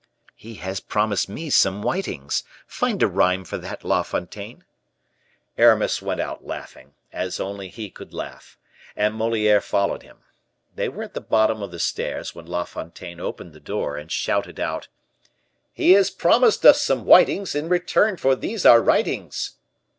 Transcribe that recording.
"He has promised me some whitings. Find a rhyme for that, La Fontaine." Aramis went out laughing, as only he could laugh, and Moliere followed him. They were at the bottom of the stairs, when La Fontaine opened the door, and shouted out: "He has promised us some whitings, In return for these our writings."